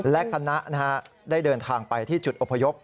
และคณะได้เดินทางไปที่จุดอพยพ